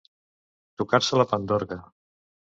Tocar-se la pandorga.